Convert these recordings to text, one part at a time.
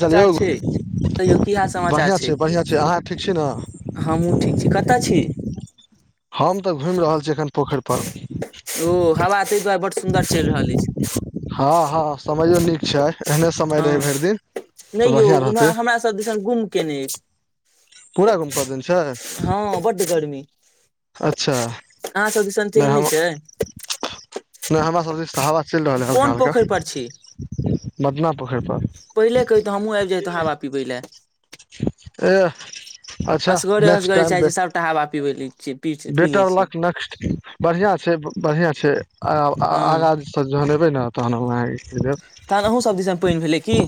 चल समाचार यौग छै तैयो की हाल समाचार बढ़िआँ छै छय बढ़िआँ छैर अहाँ ठीक छी न हमहुँ ठीक छी कतय छी हम तऽ घुइम रहल छी एखन पोखरि पर ओ हवा तहि दुआरे बड सुन्दर चलि रहल अछि हँ हँ समयो नीक छय एहने समय रहै हँ भरि दिन तऽ बढ़िआँ रहतै दि घुम केने पूरा गुम कऽ देने छै हँ बड्ड गर्मी अच्छा अहाँ सब दिशन न छै नय हमरा सब दीस तो हावा चइल रहल हल्का कोन पोखरि पर छी हल्का मदना पोखरि पर पहिले कहैतैऽ हमूँह आब जैतौ हावा पिबै लए एह अच्छा असगरे नेक्स्ट असगरे टाइम चाहै छी सबटा हवा पीबै लऽ बेटर लक नेक्स्ट बढ़िआ छय बढ़िआ छै हँ आगाँ तऽ जहन एबै ने तहन हम आहाँ के देब तहन अहूँ सब दिस पइन भेलै की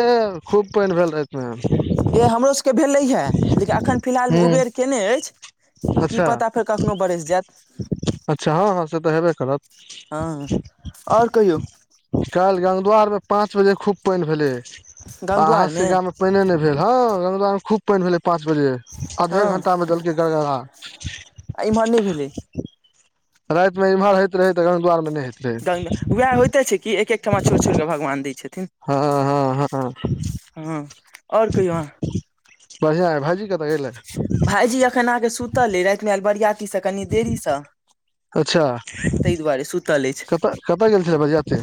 ए खूब पइन भेल राति में ए हमरो सभके भेलैए लेकिन एखन फिलहालमे उबेर कयने अछि की अच्छा पता फेर कखनो बरैस जायत अच्छा हँ हँ से तऽ हेबे करत हँ आओर कहियौ काल्हि गंगद्वार में पाँच बजे खूब पानि भेलै गंग अहाँ सब दुआरमे गाममे पानिए नय भेल हँ गंगदुआर खूब पानि भेलै पाँच बजे आधे हँ घंटा में देलकै गड़गड़ा आ इमहर नय भेलै राति में इम्हर होइत रहै तऽ गदआार मे नहि होइत रहे गङ्गा उएह होइते छै कि एक एक ठमा छोड़ि छोड़ कऽ भगवान दय छथिन हँ हँ हँ हँ ओर कहियौ आहा बढ़िआ है भाजी कतौ गेलेय भायईजी एखन आ के सुतले राति में आर बरियाती से कनि देरीसँ ताहि दुआरे सुतल अछि। कतऽ-कतऽ गेल छलै बरियाती?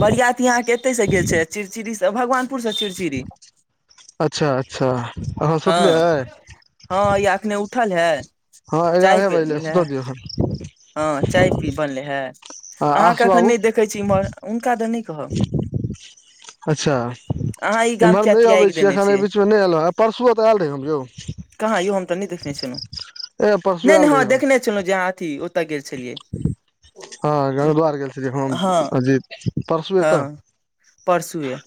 बरियात अहाँकेँ एतय से गेल छैय, चिड़चिड़सँ भगवानपुरसँ चिड़चिड़ी। अच्छा, अच्छा, आहा सुतले हँ हैं। हँ, या अखने उठल हैं। हँ, एगारहे बाज लै सुत्ता दियौ। हँ, चाय पी बनले हैं। आ अहाँकेँ आसू एखन बाबू नैय देखै छी एम्हर हुनका तऽ नहि कहब। अच्छा, अहाँ ई गाम एम्हर किया नहि अबै त्यागि छै देने एखन एहि छियै बीचमे नहि एलहु हँ परसुओ तऽ आयल रहै हम यौ। कहाँ यौ हम तऽ नहि देखने छलहुँ ए परसू नहि आयल नहि रही हँ, हम देखने छलहुँ जे अहाँ अथि ओतय गेल छलियै। हँ, गदआर गेल छलखिन, हँ अजिए-परसू तऽ। परसुये।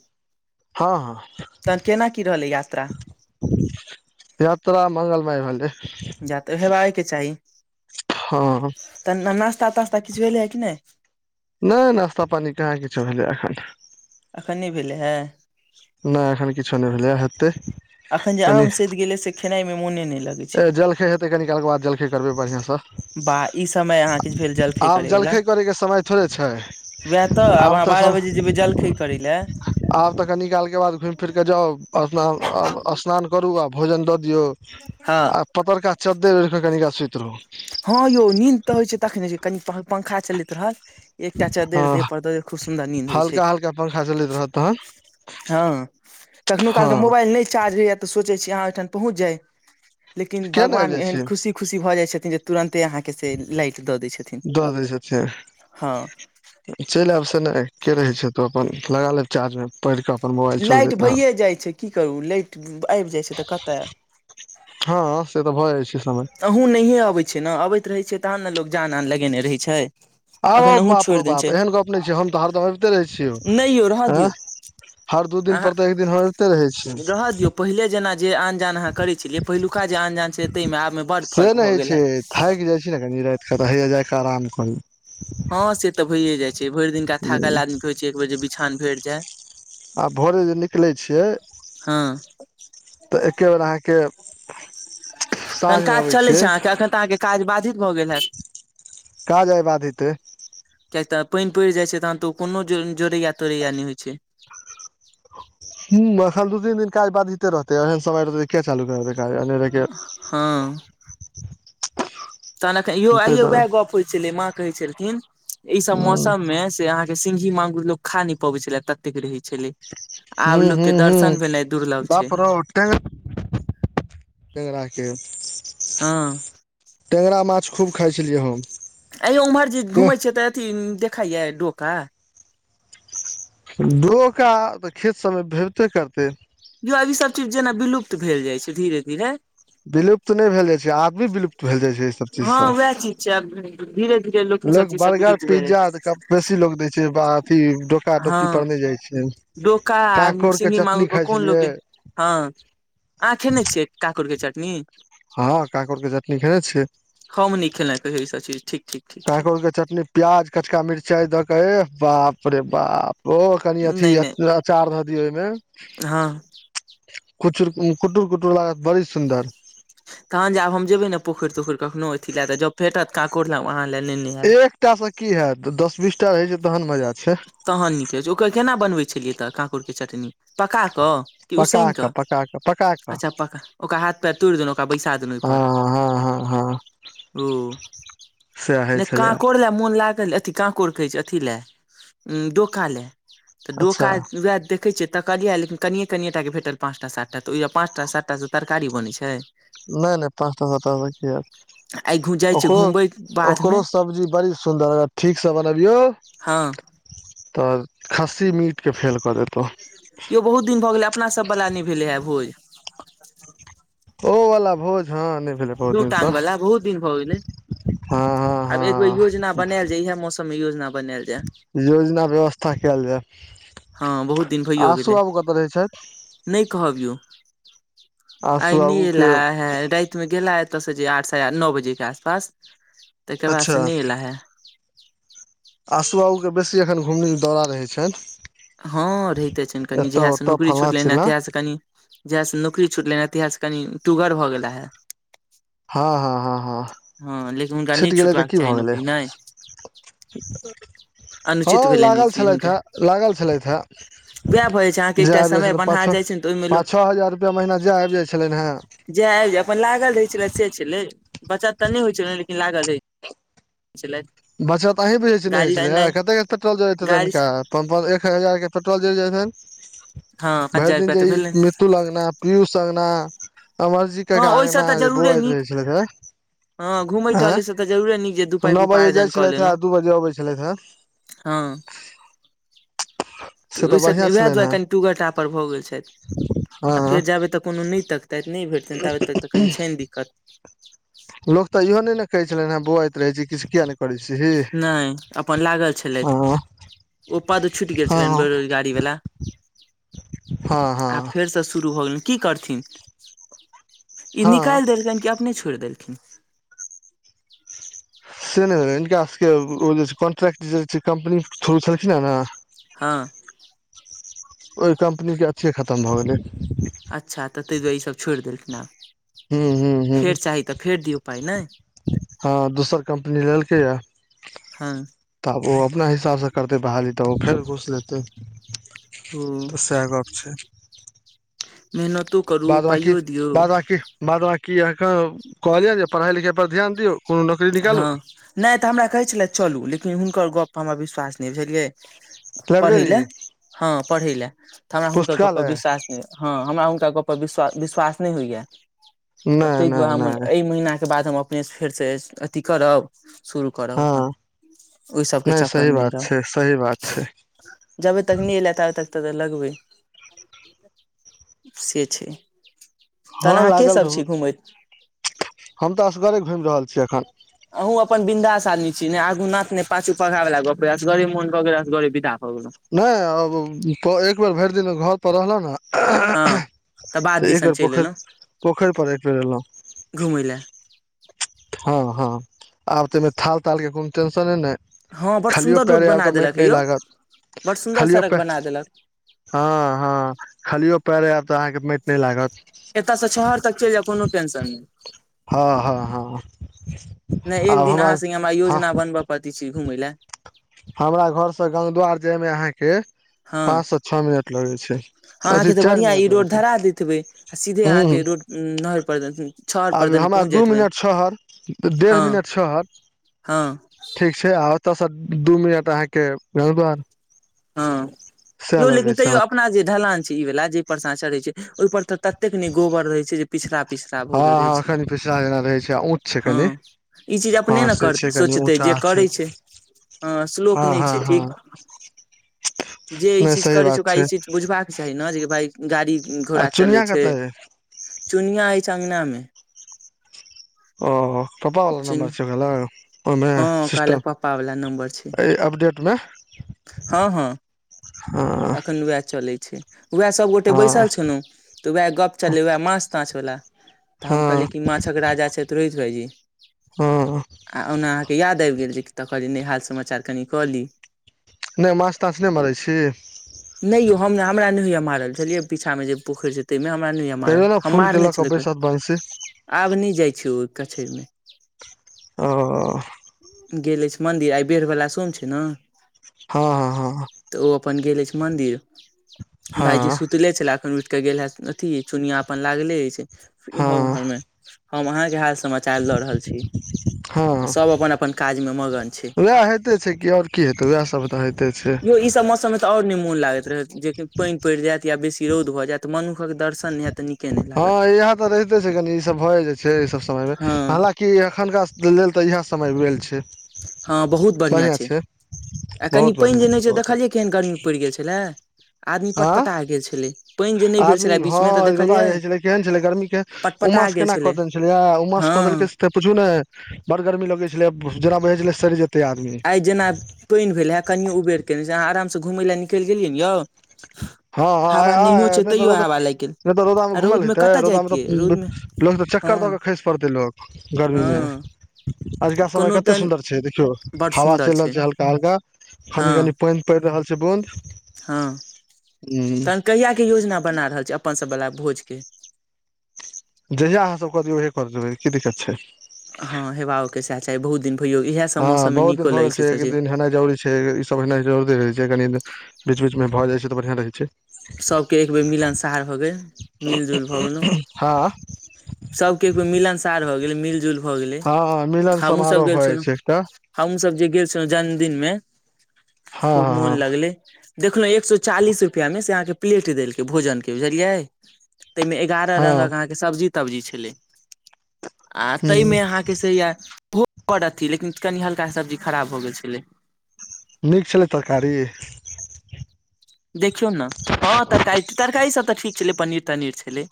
हँ, हँ। तऽ केना की रहलै यात्रा। यात्रा मंगल माय राहले। जा तऽ हेबाके चाही। हँ। तऽ नास्ता तास्ता किछु भेलै है कि नहि। नहि, नास्ता पानी कहाँ किछो भेलै एखन। एखन नहि भेलै हैं? नहि एखन किछु नहि भेलै, हेतय। एखन जे आम सैध गेले से खेनायमे मोने नहि। लगै छै ए जलखै हेतै कनि कालके बाद जलखै करबै बढ़ियासँ। बा, ई, समय अहाँ किछु भेल जलखै करय वला। जलखै करैके समय थोड़े छै उएह तऽ आब अहाँ बारह बजे जेबय जलखै करय लए। आब तऽ कनी कालके बाद घुमि फिरके जाउ अस्नान अस्नान करू आ भोजन दऽ दियौ हँ आ पतरका चद्दैर ओडि कऽ कनि काल सुति रहु। हँ, यौ नींद तऽ होइ छै, तखने जे कनि पंखा चलैत रहल। एकटा चद्दैर देह हँ पड़ दऽ दियऔ खूब सुन्दर नीन्द होइ छै। हल्का हल्का पंखा चलैत रहत तहन हँ, कखुनो कालके हँ मोबाइल नहि चार्ज रहैया। सोचै छी अहाँ ओठाम पहुंच जाय लेकिन किया नहि आबि भगवान जाइ एहन छी खुशी खुशी भऽ जाय छथिन तुरन्ते अहाँकेँ से लाइट दऽ दैय छथिन दऽ दै छथिन हँ। चलि आयब से नहि के रहै छै, तू अपन लगा ले चारजमे पैर। लाइट भइए जाइ छै की करू लैइट आबि जाइ छैय तऽ कतय हँ से त भऽ जाइ छै समय। अहूँ नहिये अबै छी न अबैत रहै छै, तहन ने लोक जान आन लगेने रहै छै। आरौ अखन अहूँ बाप रौ छोड़ि देने बाप छै एहन गप नहि छै, हम तऽ हरदम एइबते रहै नहि यौ रहऽ छियौ आँ। दियौ हर दू अहाँ दिनपर तँ एक दिन एइबते रहै रहऽ दियौ छै। पहिले जेना जे आन जान अहाँ करै छलियै। पहिलुका जे आन जान छै, तेमे आब। से नै होइ छै, थाकि जाइ छै, ने कनि रात कऽ तऽ होइ या कि आराम करी हँ से तऽ भइए जाय छै, भरि दिनका थाकल आदमी होइ छै, एक बेर जे बिछान भेट जाय। आ भोरे जे निकलै छियै। हँ तऽ एके बेर अहाँकेँ। तहन काज चलै छै, अहाँकेँ एखन तऽ अहाँकेँ काज बधित भऽ गेल हैत। [unintelligible] काज आए बाधित अय कियैक तऽ पाइन पड़ि जाइ छै तहन तऽ ओ कोनो जोड़ैया तोड़ैया नहि होइ छै हूँ एखन दू तीन दिन काज बाधिते रहतै एहन समय रहतै तऽ किया चालू करतै काज अनेरे के हँ तहन एखन यौ आइयो वएह हूं गप होइ छलै माँ कहै छलखिन एहि सब मौसम मे से आहाँ सिंही मांगुर लोक खा नाए पबै छले ततेक रहै छै छलै आब लोक हूं के हूं दर्शन भेनाए दुर्लभ छै [inaudible] हँ टेंगरा माछ खूब खाइ छलियै हम आए यौ उम्हर जे घुमै छियै तऽ अथी देखइया डोका डोका तऽ खेत सब मे भेटते करतै यौ ई सब चीज जेना विलुप्त भेल जाय छै धीरे धीरे विलुप्त नाए भेल जाइ छै आब विलुप्त भेल जाइ छै ई सब चीज हँ सँ वएह चीज छै आब धीरे धीरे लोक ई [unintelligible] सब लोग चीज सब बर्गर विलुप्त भेल जाइ पिज्जा छै। बेसी लोग दै छै अथी डोका डोकी हँ पर नहि जाइ छै डोका आ कांकोड़ के सिंही चटनी मंगुर पर खाइ कोन लोक छलियै ए हँ अहाँ खेने छियै कांकोर के चटनी हँ कांकोर के चटनी खेने छियै हम नहि खेलहुँ ई सब चिज ठीक ठीक ठीक ठीक कांकोर के चटनी प्याज कचका मरचाइ दऽ के एह बाप रे बाप ओ कनि अथी नहि नहि अचार दऽ दिय ओहि मे हँ खुचुर कुटूर कुटूर लागत बड़ी सुन्दर तहन जे आब हम जेबय ने पोखरि तोखरि कखनो अथी लए तऽ जब भेटत त कांकोर आब अहाँ लए नेने आयब एकटा से की हयत दस बीस टा रहै छै तहन मजा छै तहन नीक रहैत छै ओकर केना बनबैत छलियै कांकोर क चटनी पकााकऽ कि पका उसैन कऽ पका पका कऽ अच्छा पका ओकरा हाथ पे तोड़ देलौ ओकरा बैसा देन ओहि पर हँ हँ हँ हँ [unintelligible] ओ सएह होइ नहि छलैए कांकोर लै मोन लागल अथी कांकोड़ कहै छी अथी लए डोका लै तऽ अच्छा डोका उ देखै छियै तकलियै ऐ लेकिन कनिए कनिए टाके भेटल पाँचटा सातटा तऽहि पाँच टा सातटा से तरकारी बनैत छै नाए नाए पाँचटा सात की आइ घु हैत जाइ छै ओकरो घुमबै बाधमे ओकरो सब्जी बड़ी सुंदर ठीकसँ बनबियौ हँ तऽ खस्सी मीट के फेल कऽ देतहु यो बहुत दिन भऽ गेले अपना सब वाला नहि भेले हे भोज ओ वला भोज हँ नहि भेलै बहुत दू दिन से टांग वला बहुत दिन भऽ गेलय हँ हँ आब एक बेेर हँ योजना बनायल जाय इ है मौसम मे योजना बनायल जाय योजना व्यवस्था कयल जाय हँ बहुत दिन भैयो आसू गेलै बाबू कतऽ रहै छैथ नहि कहब यौ आसू आइ नहि बाबू के एला हे राति गेला एतयसँ जे आठ स नौ बजे के आसपास ताहिकर बाद अच्छा से नहि अयला है आसू आहूके बेसी एखन हुमीग दौरा रहै छनि हँ रहिते छनि कनि एतऽ जहियासँ ओतऽ नौकरी फल्लाँ छुटलनि ह चिल्लाँ तहियासँ कनि जहियासँ नौकरी छुटले हे तहियासँ कनि टुगर भऽ गेला हे हँ हँ हँ हँ हँ लेकिन हुनका नहि छुटि गेलै तऽ छुटबाक की चाही भऽ गेलै नौकरी नाए हँ अनुचित भेलनि ई लागल चीज छेलैथ हुनका ह लागल छेलैथ वएह भऽ जाइ छै अहाँके जाय एकटा आबि जाइ समय छलै पाच बन्हा छ जाइ छै ने तऽ ओहिमे लोक पाच छओ हजार रुपआ महीना जाय आबि जाइ छलै हे जे आबि जाय अपन लागल रहे छले से छलै बचत तऽ नहि होइ छल लेकिन लागल रहै छेलैथ बचत अहीं भुझै नेइ छलै कते के पेट्रोल जरैत हेतैन‌ गाड़ी इनका पम्प पर एक हजार के पेट्रोल जरि जाय हनि हँ पाँच भरि हजार दिन रुपआ जे तऽ भेलै ई अतुल अंगगना पीयूष अगना अमरजी हँ काका ओहिसँ अंगगना तऽ जे जरूरे बोआइत नीक रहै छल हँ घुमै टहलै से त जरुरे नीक जे दू पाई के नओ बजे जाइ उपार्जन कऽ छलथि हे लेलहुँ दू बजे अबै छलथि हे हँ तऽ से बढ़िआँ ओहि उएह छलनि हेँ दुआ‌कनि टुगर टापर भऽ गेल छथि आ फेर हँ जेबै तऽ कोनो नहि तकतैथ नहि भेटतनि ताबे तक तऽ कनि छनि दिक्कत लोक तऽ इहो नहि ने कहै छलनि हे बौआइत रहे छै किछु किया नहि करै छै ही नहि अपन लागल छलथि ओ पाद छुटी गेल छलनि हँ बेरोजगाड़ी वाला हँ आब हँ फेरसँ शुरू हो गेल की करथिन ई हँ निकैल देलकैन कि अपने छोड़ि देलखिन से नहि भेल हिनका सबके ओ जे कॉन्ट्रैक्ट जे होइछै कम्पनी के थ्रू छलखिन ह ने हँ ओहि कम्पनी के अथिये खतम भऽ गेलै अच्छा तऽ ताहि दुआरे ईसभ छोड़ि देलखिन आँ हूँ हूँ फेर हूँ चाही तऽ फेर दियौ पाइ नहि हँ दोसर कम्पनी लेलकैए हँ तब आब ओ अपना हिसाबसँ करतै बहाली तऽ ओ फेर घुस लेतै ओ तऽ सएह गप छै मेहनतो करू बाद बकी पाइयो दियौ बाद बकी बाद बकी अहाँके कहलियनि जे पढ़ाई लिखाई पर ध्यान दियऔ हँ नहि तऽ हमरा कहै छलै चलू लेकिन हुनकर गपपर हमरा विश्वास नहि बुझलियै पढ़ै लाइब्रेरी लए हँ पढ़ै लए तऽ हमरा हुनकर गप्प पुस्तकालय विश्वास हँ हमरा हुनका गपर विश्व विश्वास नहि होइए तऽ नहि ताहि दुआरे नहि हम नहि एहि महीनाके बाद हम अपनेसँ फेरसँ अथी करब शुरू कर ओ हँ अपन ओहि सबके चक्कर सही मे नहि बात छै सही बात रह छै जाबे तक नहि एलेताब तक तऽ लगबै से छै तहन हँ अहाँ लागल केसभ रहू छी घूमैत हम तऽ असगरे घुमि रहल छीयै एखन अहूँ अपन ब बिंन्दाास आदमी छी ने आगूनाथ ने पाछू पघा वला गप्प वसगरे मोन‌भ गेल‌ असगरे विदा भ गेलो नहि अब एक बेर भरि दिन घर पर रहलो ने हँ बाद तऽ एक दिसन बेर चलि पोखरि एलहुँ पोखरि पर एक बेर एलहुँ घुमय लए हँ हँ आब तऽमे थाल ताल के कोनो टेंशन ने हँ बड खालियो सुन्दर रोड पेरे आब बना तऽ माट देलक ह नहि यौ लागत बड सुन्दर खालियो सड़क प बना देलक हँ हँ खालियो पैर आयब तऽ अहाँके मैट नहि लागत एतय से छहर तक चलि जाय कोनो टेंशन नहि हँ हँ हँ नहि एक दिन अहाँ सङ्गे हमरा हँ योजना बनबय पड़तै छैय घुमय लए। हमरा घरसे गंगद्वार जायमे अहाँके पाँच हँ सँ छओ मिनट लगै छै अथी अहाँके तऽ चारि बढ़िआं ई मिनट लगै रोड छै धरा दैत हेबै आ सीधे हूँ हूँ अहाँके रोड [unintelligible] आब हमरा दू मिनट शहर डेढ़ हँ मिनट हँ छैय आ ओत स दू मिनट अहाँके [unintelligible] हँ सएह यौ लेकिन लगै छै तैयो अपना जे ढलान छैय ई वला जाहि परसँ चढ़ै छैय ओहि पर तऽ ततेक नहि गोबर रहै छैय जे पिछड़ा पिछड़ा हँ भऽ गेल रहै हँ छै एखनि पिछलाह जेना रहै छैय आ ऊँच छैय कनि हँ ई चीज हँ अपने ने से कर छैय कनि सोचतै जे ऊँचाह करै छैय। [inaudible] छै हँ स्लोप नहि छैय ठीक। जे ई नहि चीज सही करै छैय बात ओकरा ई छै चीज बुझबाक चाही ने जे भाय गाड़ी आ घोड़ा चलै चुनिया छैय। कतऽ यै चुनिया अछि अगना मे। ओ पपावला चुन नम्बर छभेलो ओहिमे हँ कहलक सिस्टम पप्पा वाला नम्बर छै अ अपडेटमे। हँ हँ एखन वैह चलैत छैय। वैह सभगोटे हँ बैसल छलहुँ तऽ वैह गप चललै वैह माछ ताछ वला। तऽ हम हँ कहलियै कि माछक राजा छैय तऽ रोहित भायजी। हँ आ ओना अहाँके याद आबि गेल जे तऽ कहलियै नहि हाल समाचार कनि कऽ ली। नहि माछ ताछ नहि मारैत छी। नहि यौ हम नै हमरा नै होईया मारल छलियै पीछा मे जे पोखरि छैय तहिमे हमरा नहि हो मारल कहियो ने हम फूल के मारने लऽ कऽ छलै एक बैसत बंसी बेर आब नहि जाइ छी ओहि कछैरमे। ओ गेल अछि मंन्दिर आइ बेर वला सोम छैय ने। हँ हँ हँहँ तऽ ओ अपन गेले छैथ मंदिर भाईजी हँ सुतले छला एखन उठि के गेल ह अथी चुनिया अपन लागले अछि इम्हर हँ हँ उम्हरमे हम अहा के हाल सम चार ल रहल छी तऽ हँ सभ अपन अपन काजमे मगन छैय। ते छैय कि आओरी की हेतै वैह सब तऽ हे यौ ई सब मौसममे तऽ और नहि मोन लागैत रहे जे पानि पड़ि जायत या बेसी रौद भऽ जायत मनुषक दर्शन नहि हैत त नीके नहि लागत हँ इह तऽ रहिते छैय कनी ई सब भए जा छैय ई सब समयमे हँ हलाकि एखनका लेल तऽ इएह समय भेल छैय। हँ बहुत बढ़िया छैय आ कनि बहुत पानि बढ़िआँ जे छै नहि छैय बहुत देखलियै केहन गर्मी पड़ि गेल छलै। आदमी आँ पटपटा गेल पानि जे नहि भेल आदमी छलए हँ बीचमे तऽ रौदा देखलियै छलै केहन छलै गर्मी के पटपटा उमस गेल केना कऽ देने छलै उमस हँ कऽ देलकै पुछू ने बड़ गर्मी लगै छलै जेना बझै छलै सड़ि जेतै आदमी। आइ जेना पानि भेलया है कनियो उबेर केने अहाँ आरामसँ घुमै लै निकल गेलियै ने यौ। हँ हँ हवा नहियो आ आ छै तऽ तैयो रौदा हवा नहि लागि गेल तऽ रौदामे आ रौद घूमल मे हेतै कतऽ रौदा में जैतियै रौद तऽ मे लोक तऽ हँ चक्कर दऽ कऽ खसि पड़तै लोक गर्मीमे। हँ आजुका समय कोनो कते तहन सुन्दर छैय देखियौ बड़ हवा सुन्दर चलि रहल छै छैय हल्का हल्का हँ कनि कनी पानि पड़ि रहल छैय बुंद। हँ तहन कहियाके योजना बना रहल छी अपनसभवला भोजके? जहिया अहाँसभ क दियौै ओहे कर देबै की दिक्कत छैय। हँ हेवाओके सह चायी बहुत दिन भयओ इएहसभ मौसम में नीको लगैत छै सचीज जरी छय सब एना जरुरी रहए छै कनि बीच बीच में भए जाय छै तऽ बढ़िया रहे छै सबके एक बेर मिलनसार भऽ गेल मिल जुल भऽ गेलहुँ हँ सबके एगो मिलनसार भ गेलै मिलजुल भऽ गेलै हँ मिलन हमहू सभ समारोह गेल भऽ जाइ छलहुँ छै एकटा हम सब जे गेल छलहुँ जन्मदिन मेँ हँ खूब मोन हँ हँ लगले देखलहुँ एक सौ चालीस रुपआ मे से अहाँ के प्लेट देलक भोजन के बुझलियै ताहि मे एगारह हँ रंगक अहाँके सब्जी तब्जी छलय आ ताहि ह मे अहाँके से य ओहो कर अथि लेकिन कनि हल्का सब्जी खराब हो गेल छलै नीक छलय तरकारी देखियौ ने हँ तरकारी तरकारी सब तऽ ठीक छलय पनीर तनीर छलै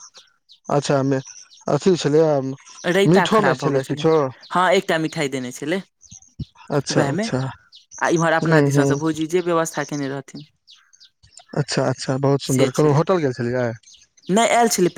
अच्छा में अथी छलैया रायता खराब भऽ गेल छलय हँ एकटा मिठाई देने छलै अच्छा वहै में अच्छा आ इम्हर अपना ह ह दिसनसँ भौजी जे व्यवस्था केने रहथिन अच्छा अच्छा बहुत सुन्दर कहलहुँ होटल गेल छलियै नय आयल छलै